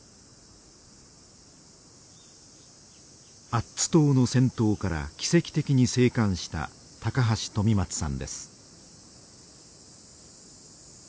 アッツ島の戦闘から奇跡的に生還した高橋富松さんです。